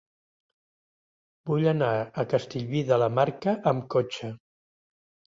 Vull anar a Castellví de la Marca amb cotxe.